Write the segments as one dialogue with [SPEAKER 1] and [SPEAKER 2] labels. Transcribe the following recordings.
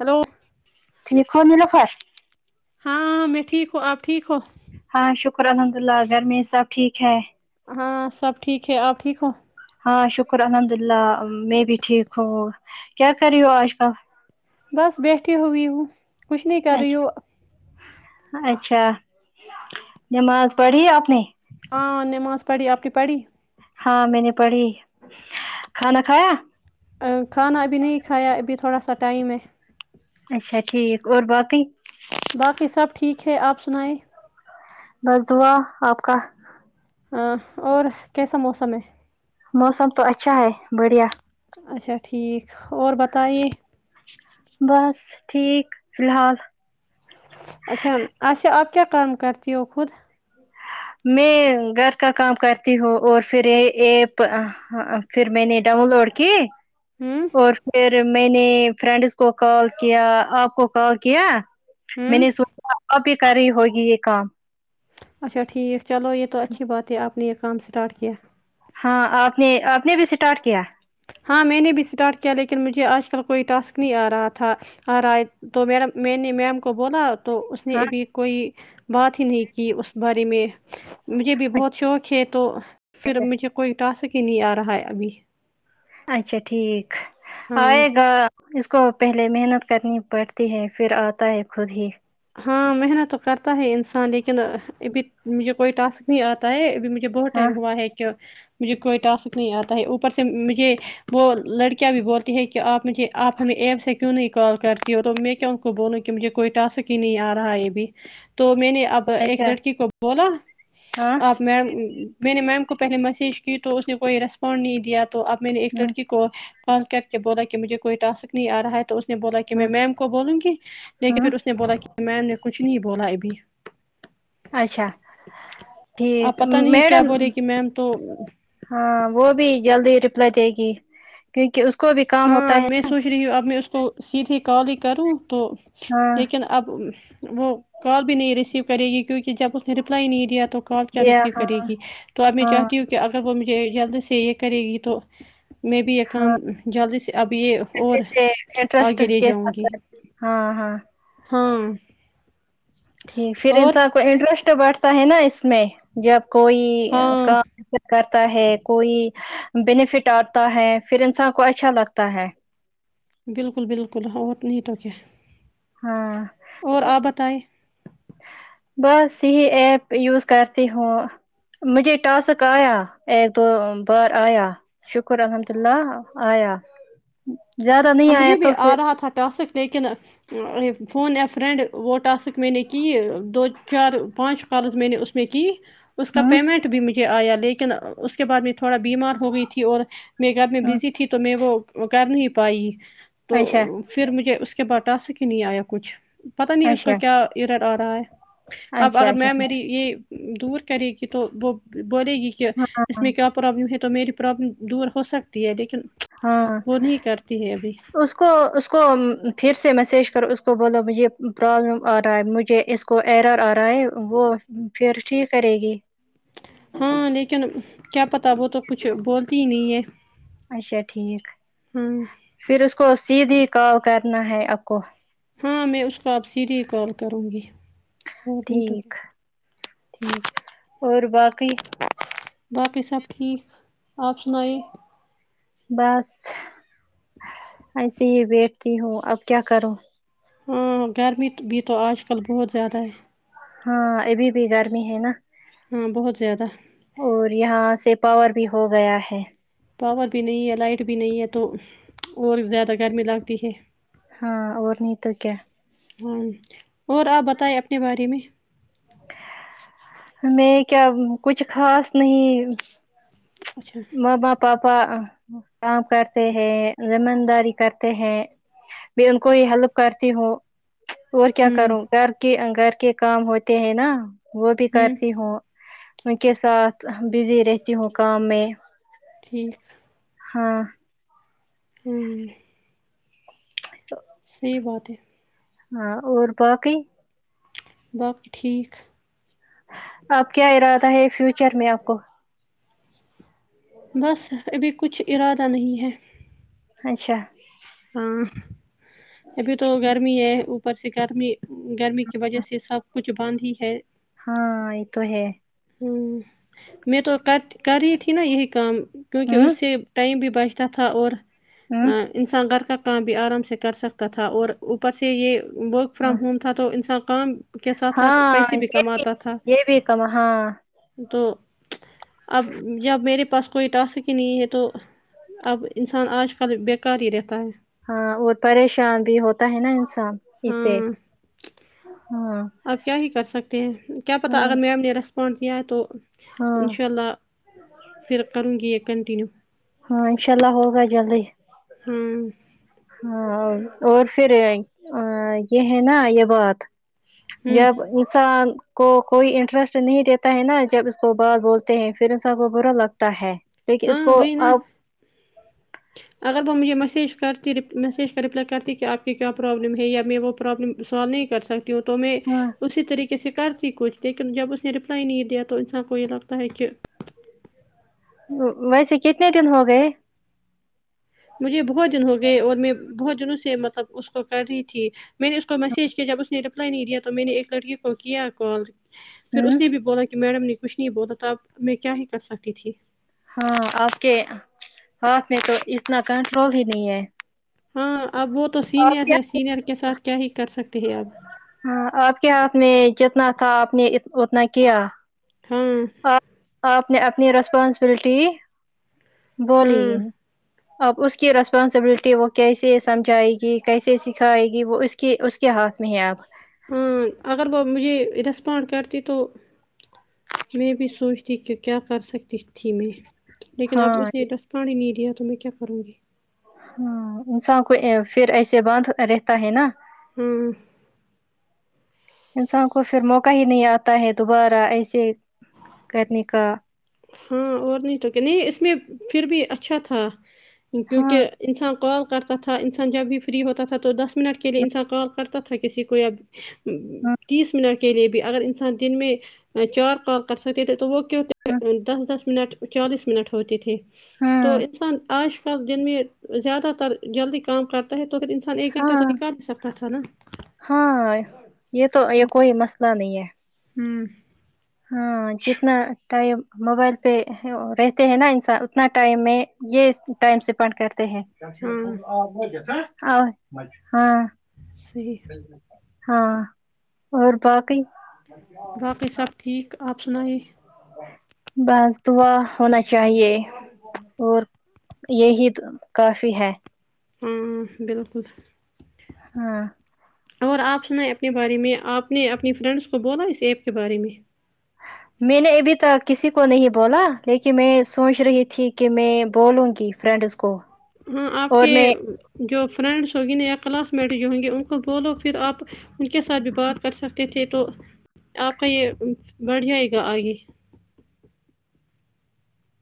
[SPEAKER 1] hello
[SPEAKER 2] [unintelligible]
[SPEAKER 1] ہاں ہاں ہاں میں ٹھیک ہوں آپ ٹھیک ہوں
[SPEAKER 2] ہاں شکر الحمد اللہ گھر میں سب ٹھیک ہے
[SPEAKER 1] ہاں سب ٹھیک ہے آپ ٹھیک ہو
[SPEAKER 2] ہاں شکر الحمد اللہ میں بھی ٹھیک ہوں کیا کر رہی ہو آج کل
[SPEAKER 1] بس بیٹھی ہوئی ہوں کچھ نہیں کر
[SPEAKER 2] اچھ
[SPEAKER 1] رہی ہو
[SPEAKER 2] اچھا نماز پڑھی آپ نے
[SPEAKER 1] ہاں نماز پڑی آپ نے پڑی
[SPEAKER 2] ہاں میں نے پڑھی کھانا کھایا
[SPEAKER 1] آ کھانا ابھی نہیں کھایا ابھی تھوڑا سا ٹائم ہے
[SPEAKER 2] اچھا ٹھیک اور باقی
[SPEAKER 1] باقی سب ٹھیک ہے آپ سنائیں
[SPEAKER 2] بس دعا آپ کا
[SPEAKER 1] ہاں اور کیسا موسم ہے
[SPEAKER 2] موسم تو اچھا ہے بڑھیا
[SPEAKER 1] اچھا ٹھیک اور بتائیے
[SPEAKER 2] بس ٹھیک فی الحال
[SPEAKER 1] اچھا اچھا آپ کیا کام کرتی ہو خود
[SPEAKER 2] میں گھر کا کام کرتی ہوں اور پھر یہ ایپ ہاں پھر میں نے ڈاون لوڈ کی
[SPEAKER 1] ہوں
[SPEAKER 2] اور پھر میں نے فرینڈس کو کال کیا آپ کو کال کیا میں
[SPEAKER 1] ہوں
[SPEAKER 2] نے سوچا آ بھی کر رہی ہوگی یہ کام
[SPEAKER 1] اچھا ٹھیک چلو یہ تو اچھی بات ہے آپ نے یہ کام اسٹارٹ کیا
[SPEAKER 2] ہاں آپ نے آپ نے بھی اسٹارٹ کیا
[SPEAKER 1] ہاں میں نے بھی اسٹارٹ کیا لیکن مجھے آج کل کوئی ٹاسک نہیں آ رہا تھا آ رہا ہے تو میرا میں نے میم کو بولا تو اس نے
[SPEAKER 2] ہاں
[SPEAKER 1] ابھی کوئی بات ہی نہیں کی اس بارے میں مجھے بھی بہت شوق ہے تو پھر مجھے کوئی ٹاسک ہی نہیں آ رہا ہے ابھی
[SPEAKER 2] اچھا ٹھیک
[SPEAKER 1] ہاں
[SPEAKER 2] ائے گا اس کو پہلے محنت کرنی پڑتی ہے پھر اتا ہے خود ہی
[SPEAKER 1] ہاں محنت تو کرتا ہے انسان لیکن ابھی مجھے کوئی ٹاسک نہیں اتا ہے ابھی مجھے بہت
[SPEAKER 2] ہاں
[SPEAKER 1] ٹائم ہوا ہے کہ مجھے کوئی ٹاسک نہیں اتا ہے اوپر سے مجھے وہ لڑکیاں بھی بولتی ہے کہ اپ مجھے اپ ہمیں ایپ سے کیوں نہیں کال کرتی ہو تو میں کیا کو بولو کہ مجھے کوئی ٹاسک ہی نہیں ا رہا ہے ابھی تو میں نے اب ایک
[SPEAKER 2] اچھا
[SPEAKER 1] لڑکی کو بولا
[SPEAKER 2] ہاں
[SPEAKER 1] اپ میں میں نے میم کو پہلے میسج کی تو اس نے کوئی ریسپانڈ نہیں دیا تو اب میں نے ایک
[SPEAKER 2] ہ
[SPEAKER 1] لڑکی کو کال کر کے بولا کہ مجھے کوئی ٹاسک نہیں ارہا ہے تو اس نے بولا کہ میں
[SPEAKER 2] ہ
[SPEAKER 1] میم کو بولوں گی لیکن
[SPEAKER 2] ہ
[SPEAKER 1] پھر اس نے بولا کہ میم نے کچھ نہیں بولا ابھی
[SPEAKER 2] اچھا
[SPEAKER 1] اپ
[SPEAKER 2] ٹھیک
[SPEAKER 1] پتا نہیں کیا
[SPEAKER 2] میڈم
[SPEAKER 1] بولے گی میم تو
[SPEAKER 2] ہاں وہ بھی جلدی رپلائی دے گی کیونکہ اس کو بھی کام ہوتا
[SPEAKER 1] ہاں اب
[SPEAKER 2] ہے
[SPEAKER 1] میں سوچ رہی ہوں اب میں اس کو سیدھی کال ہی کروں تو
[SPEAKER 2] ہاں
[SPEAKER 1] لیکن اب وہ کال بھی نہیں ریسیو کرے گی کیونکہ جب اس نے رپلائی نہیں دیا تو کال کیا
[SPEAKER 2] یہ
[SPEAKER 1] ریسیو
[SPEAKER 2] ہاں
[SPEAKER 1] کرے گی تو اب میں
[SPEAKER 2] ہاں
[SPEAKER 1] چاہتی ہو کہ اگر وہ مجھے جلد سے یہ کرے گی تو میں بھی یہ
[SPEAKER 2] ہاں
[SPEAKER 1] کام جیسے اب یہ اور
[SPEAKER 2] اچھے سے انٹرسٹ
[SPEAKER 1] اگے لے
[SPEAKER 2] کے
[SPEAKER 1] جاؤں
[SPEAKER 2] ساتھ
[SPEAKER 1] گی
[SPEAKER 2] کرتی ہاں ہاں
[SPEAKER 1] ہاں
[SPEAKER 2] ٹھیک پھر
[SPEAKER 1] اور
[SPEAKER 2] انسان کو انٹرسٹ بیٹھتا ہے نا اس میں جب کوئی
[SPEAKER 1] ہاں
[SPEAKER 2] کام کرتا ہے کوئی بینیفٹ اتا ہے پھر انسان کو اچھا لگتا ہے
[SPEAKER 1] بالکل بالکل ہاں اور نہیں تو کیا
[SPEAKER 2] ہاں
[SPEAKER 1] اور اپ بتائیں
[SPEAKER 2] بس یہی ایپ یوز کرتی ہوں مجھے ٹاسک ایا ایک دو بار ایا شکر الحمد اللہ ایا زیادہ
[SPEAKER 1] ہاں
[SPEAKER 2] نہیں ایا
[SPEAKER 1] مجھے
[SPEAKER 2] تو
[SPEAKER 1] بھی
[SPEAKER 2] پھر
[SPEAKER 1] آ رہا تھا ٹاسک لیکن اس فون یہ فرینڈ وہ ٹاسک میں نے کی دو چار پانچ کالز میں نے اس میں کہ اس کا
[SPEAKER 2] ہوں
[SPEAKER 1] پیمنٹ بھی مجھے ایا لیکن اس کے بعد میں تھوڑا بیمار ہو گئی تھی اور میں گھر میں
[SPEAKER 2] ہوں،
[SPEAKER 1] بزی تھی تو میں وہ کر نہیں پائی تو
[SPEAKER 2] اچھا
[SPEAKER 1] پھر مجھے اس کے بعد ٹاسک ہی نہیں ایا کچھ پتا نہیں اس کا
[SPEAKER 2] اچھا
[SPEAKER 1] کیا یورٹ ارہا ہے اب
[SPEAKER 2] اچھا
[SPEAKER 1] اگر میں
[SPEAKER 2] اچھا ٹھیک
[SPEAKER 1] میری یہ دور کرے گی تو وہ بولے گی کہ اس
[SPEAKER 2] ہاں
[SPEAKER 1] میں کیا پرابلم ہے تو میری پرابلم دور ہو سکتی ہے لیکن
[SPEAKER 2] ہاں
[SPEAKER 1] وہ نہیں کرتی ہے ابھی
[SPEAKER 2] اس کو اس کو پھر سے میسج کر اس کو بولو مجھے پرابلم ارہا ہے مجھے اس کو ایرر ارہا ہے وہ پھر ٹھیک کرے گی
[SPEAKER 1] ہاں لیکن کیا پتا وہ تو کچھ بولتی نہیں ہے
[SPEAKER 2] اچھا ٹھیک
[SPEAKER 1] ہاں
[SPEAKER 2] پھر اس کو سیدھی کال کرنا ہے اپ کو
[SPEAKER 1] ہاں میں اس کو اپ سیدھی کال کروں گی اور نہیں تو
[SPEAKER 2] ٹھیک
[SPEAKER 1] کیا
[SPEAKER 2] ٹھیک اور باقی
[SPEAKER 1] باقی سب ٹھیک اپ سنائیے
[SPEAKER 2] بس ایسے ہی بیٹھتی ہوں اب کیا کروں
[SPEAKER 1] ہاں گرمی تو بھی اج کل بہت زیادہ ہے
[SPEAKER 2] ہاں ابھی بھی گرمی ہے نا
[SPEAKER 1] ہاں بہت زیادہ
[SPEAKER 2] اور یہاں سے پاور بھی ہو گیا ہے
[SPEAKER 1] پاور بھی نہیں ہے لائٹ بھی نہیں ہے تو اور زیادہ گرمی لگتی ہے
[SPEAKER 2] ہاں اور نہیں تو کیا
[SPEAKER 1] ہاں اور اپ بتائیں اپنے بارے میں
[SPEAKER 2] میں کیا کچھ خاص نہیں
[SPEAKER 1] اچھا
[SPEAKER 2] ما پاپا کام کرتے ہیں زمین داری کرتے ہیں میں ان کو ہی ہیلپ کرتی ہوں اور کیا
[SPEAKER 1] ہوں
[SPEAKER 2] کروں گھر کے گھر کے کام ہوتے ہیں نا وہ بھی کرتی ہوں ان کے ساتھ بزی رہتی ہوں کام میں
[SPEAKER 1] ٹھیک
[SPEAKER 2] ہاں
[SPEAKER 1] ہوں
[SPEAKER 2] [unintelligible]
[SPEAKER 1] یہی بات ہے
[SPEAKER 2] ہاں اور باقی
[SPEAKER 1] باقی ٹھیک
[SPEAKER 2] آپ کیا ارادہ ہے فیوچر میں آپ کو
[SPEAKER 1] بس ابھی کچھ ارادہ نہیں ہے
[SPEAKER 2] اچھا
[SPEAKER 1] ہاں ابھی تو گرمی ہے اوپر سے گرمی گرمی کی وجہ سے سب کچھ بند ہی ہے
[SPEAKER 2] ہاں یہ تو ہے
[SPEAKER 1] ہوں میں تو کر کر رہی تھی نا یہی کام کیونکہ
[SPEAKER 2] ہوں
[SPEAKER 1] اس سے ٹائم بھی بچتا تھا اور
[SPEAKER 2] ہوں
[SPEAKER 1] انسان گھر کا کام بھی آرام سے کر سکتا تھا اور اوپر سے یہ وہ فرام ہوم تھا تو انسان کام کے ساتھ ساتھ
[SPEAKER 2] ہاں
[SPEAKER 1] پیسے بھی
[SPEAKER 2] یہ
[SPEAKER 1] کماتا تھا
[SPEAKER 2] یہ بھی کم ہاں
[SPEAKER 1] تو اب جب میرے پاس کوئی ٹاسک ہی نہیں ہے تو اب انسان آج کل بیکار ہی رہتا ہے
[SPEAKER 2] ہاں اور پریشان بھی ہوتا ہے نا انسان اس سے ہاں
[SPEAKER 1] آپ کیا ہی کر سکتے ہیں کیا پتہ
[SPEAKER 2] ہاں
[SPEAKER 1] اگر میم نے ریسپانڈ دیا ہے تو
[SPEAKER 2] ہاں
[SPEAKER 1] انشاء اللہ پھر کروں گی یہ کنٹیینیو
[SPEAKER 2] ہاں انشاء اللہ ہوگا جلدی
[SPEAKER 1] ہاں
[SPEAKER 2] ہاں اور پھر اے آی یہ ہے نا یہ بات
[SPEAKER 1] ہوں
[SPEAKER 2] جب انسان کو کوئی انٹرسٹ نہیں دیتا ہے نا جب اس کو بات بولتے ہیں پھر ان سب کو برا لگتا ہے لیکن اس
[SPEAKER 1] ہاں
[SPEAKER 2] کو
[SPEAKER 1] وہی نا
[SPEAKER 2] آپ
[SPEAKER 1] اگر وہ مجھے میسیج کرتی میسیج کا رپلائی کرتی کہ آپ کی کیا پرابلم ہے یا میں وہ پرابلم سال نہیں کر سکتی ہوں تو میں اسی طری کس کرتی کچھ لیکن جب اس نے رپلائی نہیں دیا تو انسان کو یہ لگتا ہے کہ
[SPEAKER 2] ویسے کتنے دن ہو گئے
[SPEAKER 1] مجھے بہت دن ہو گئے اور میں بہت دنوں سے مطلب اس کو کر رہی تھی میں نے اس کو میسیج کیا جب اس نے رپلائی نہیں دیا تو میں نے ایک لڑکی کو کیا کال پھر
[SPEAKER 2] ہ
[SPEAKER 1] اس نے بھی بولا کہ میڈم نے کچھ نہیں بولا تب میں کیا ہی کر سکتی تھی
[SPEAKER 2] ہاں آپ کے ہاتھ میں تو اتنا کنٹرول ہی نہیں ہے
[SPEAKER 1] ہاں اب وہ تو
[SPEAKER 2] آپ
[SPEAKER 1] سینئر
[SPEAKER 2] کیا
[SPEAKER 1] ہے سینئر کے ساتھ کیا ہی کر سکتے ہیں اب
[SPEAKER 2] ہاں آپ کے ہاتھ میں جتنا تھا آپ نے اتنا کیا
[SPEAKER 1] ہاں
[SPEAKER 2] آپ آپ نے اپنی رسپانسبلٹی بولی
[SPEAKER 1] ہاں
[SPEAKER 2] اب اس کی ریسپانسبلٹی وہ کیسے سمجھائے گی کیسے سکھائے گی وہ اس کہ اس کے ہاتھ میں ہیں آب
[SPEAKER 1] ہاں اگر وہ مجھے رسپونڈ کرتی تو میں بھی سوچ ٹھیک کیا کر سکتی تھی میں لیکن
[SPEAKER 2] ہاں
[SPEAKER 1] اب اس نے رسپونڈ ہی نہیں دیا تو میں کیا کروں گی
[SPEAKER 2] ہمم انسان کو پھر ایسے باندھ رہتا ہے نا
[SPEAKER 1] ہاں
[SPEAKER 2] انسان کو پھر موقع کہیں نہیں آتا ہے دوبارہ ایسے کرنے کا
[SPEAKER 1] ہاں اور نہیں تو کہ نہیں اس میں پھر بھی اچھا تھا
[SPEAKER 2] ہاں
[SPEAKER 1] کیونکہ انسان کال کر تھا انسان جب بھی فری ہوتا تھا تو دس منٹ کے لیے انسان کال کرتا تھا کسی کو ب
[SPEAKER 2] ہاں
[SPEAKER 1] تیس منٹ کے لیے بھی اگر انسان دن میں چار کال کر سکتے تھے تو وہ کیا
[SPEAKER 2] ہاں
[SPEAKER 1] دس دس منٹ چالیس منٹ ہوتی تھی تو انسان آج دن میں زیادہ تر جلدی کام کرتا ہے تو پھر ان سان ایک گنٹہ تو
[SPEAKER 2] ہاں ہاں
[SPEAKER 1] نکال ہی سکتا تھا نا
[SPEAKER 2] ہاں یہ تو یہ کوئی مسئلہ نہیں ہے
[SPEAKER 1] ہوں
[SPEAKER 2] ہاں جتنا ٹائم موبائل پہ رہتے ہیں نا انسان اتنا ٹائم میں یہ ٹائم سے اسپانڈ کرتے ہیں
[SPEAKER 1] ہاں
[SPEAKER 2] ہاں ہاں
[SPEAKER 1] صحیح
[SPEAKER 2] ہاں اور باقی
[SPEAKER 1] باقی سب ٹھیک آپ سنائیے
[SPEAKER 2] بس دعا ہونا چاہیے اور یہی تو کافی ہے
[SPEAKER 1] ہوں بالکل
[SPEAKER 2] ہاں
[SPEAKER 1] اور آپ سنائیں اپنے بارے میں آپ نے اپنی فرینڈس کو بولا اس ایپ کے بارے میں
[SPEAKER 2] میں نے ابھی تک کسی کو نہیں بولا لیکن میں سوچ رہی تھی کہ میں بولوں گی فرینڈس کو
[SPEAKER 1] ہوں آپ
[SPEAKER 2] اور
[SPEAKER 1] کے
[SPEAKER 2] میں
[SPEAKER 1] جو فرینڈس ہوں گی نہ یا کلاس میٹ جو ہوں گے ان کو بولو پھر آپ ان کے ساتھ بھی بات کر سکتے تھے تو آپ کا یہ بڑھ جائے گا آگے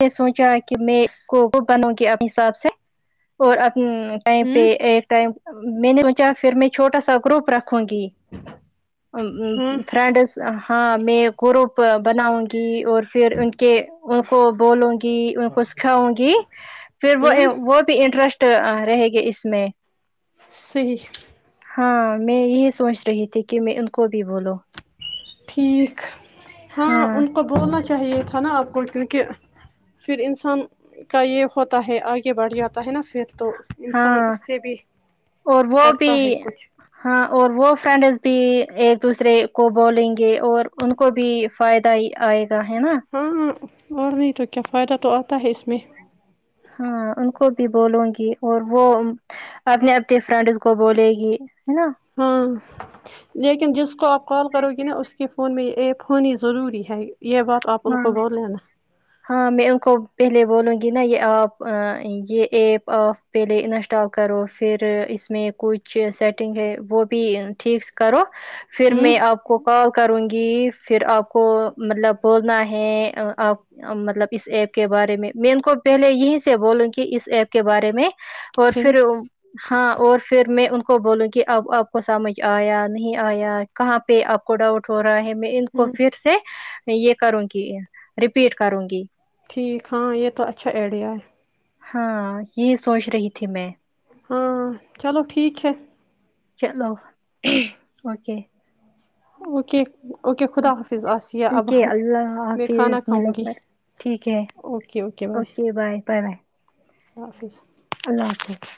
[SPEAKER 2] میں نے سوچا کہ میں اس کو بنوں گی اپنے حساب سے اور اپ نے ٹائم پہ
[SPEAKER 1] ہوں
[SPEAKER 2] ایک ٹائم میں نے سوچا پھر میں چھوٹا سا گروپ رکھوں گی وں
[SPEAKER 1] ہاں
[SPEAKER 2] فرینڈس ہاں میں گروپ بناؤں گی اور پھر ان کے وہ کو بولوں گی ان کو سکھاؤں گی پھر وہ
[SPEAKER 1] ہاں
[SPEAKER 2] ی وہ بھی انٹرسٹ ٹا اں رہے گے اس میں
[SPEAKER 1] صحیح
[SPEAKER 2] ہاں میں یہی سوچ رہی تھی کہ میں ان کو بھی بولوں
[SPEAKER 1] ٹھیک ہاں ان کو بولنا چاہیے تھا نا آپ کو کیونکہ پھر انسان کا یہ ہوتا ہے آگے بڑھ جاتا ہے نا پھر تو انسان
[SPEAKER 2] ہاں
[SPEAKER 1] اس سے بھی
[SPEAKER 2] اور وہ بھی
[SPEAKER 1] کرتا ہے کچھ
[SPEAKER 2] ہاں اور وہ فرینڈزس بھی ایک دوسرے کو بولیں یہ اور ان کو بھی فائدہ ہی آئے گا ہے نا
[SPEAKER 1] ہاں اور نہیں تو کیا فائدہ تو آتا ہے اس میں
[SPEAKER 2] ہاں ان کو بھی بولوں گی اور وہ اپنے اپنے فرینڈس کو بولے گی ہے نا
[SPEAKER 1] ہاں لیکن جس کو آپ کال کرو گی نا اس کے فون میں یہ ایپ ہونی ضروری ہے یہ بات آپ ان
[SPEAKER 2] ہاں
[SPEAKER 1] کو بول لینا
[SPEAKER 2] ہاں میں ان کو پہلے بولوں گی نا یہ آپ یہ ایپ آ پہلے انسٹال کرو پھر اس میں کچھ سیٹنگ ہے وہ بھی ٹھیک سے کرو پھر
[SPEAKER 1] ہوں
[SPEAKER 2] میں آپ کو کال کروں گی پھر آپ کو مطلب بولنا ہے آ آپ مطلب اس ایپ کے بارے میں میں ان کو پہلے یہی سے بولوں کہ اس ایپ کے بارے میں اور
[SPEAKER 1] صحیح
[SPEAKER 2] پھر ہاں اور پھر میں ان کو بولوں کہ اب آپ کو سمجھ آیا نہیں آیا کہاں پہ آپ کو ڈاؤٹ ہو رہا ہے میں ان کو
[SPEAKER 1] ہوں
[SPEAKER 2] پھر سے یہ کروں گی پھر کروں گی
[SPEAKER 1] ٹھیک ہاں یہ تو اچھا ائیڈیا ہے
[SPEAKER 2] ہاں یہ سوچ رہی تھی میں
[SPEAKER 1] ہاں چلو ٹھیک ہے
[SPEAKER 2] چلو اوکے
[SPEAKER 1] اوکے اوکے خدا حافظ آسیہ اب
[SPEAKER 2] اوکے اللہ
[SPEAKER 1] میں کھانا
[SPEAKER 2] حافظ
[SPEAKER 1] کھاؤں گی
[SPEAKER 2] نیلوفر ٹھیک ہے اوکے بائے بائے بائے
[SPEAKER 1] اللہ حافظ
[SPEAKER 2] اللہ حافظ